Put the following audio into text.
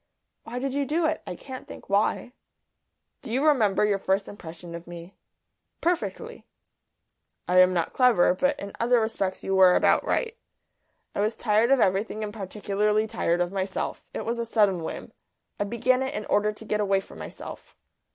"Why did you do it? I can't think why." "Do you remember your first impression of me?" "Perfectly." "I am not clever, but in other respects you were about right. I was tired of everything and particularly tired of myself. It was a sudden whim. I began it in order to get away from myself."